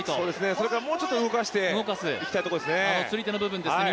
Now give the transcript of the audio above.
それから、もうちょっと動かしていきたいですね。